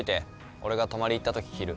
俺が泊まり行ったとき着る。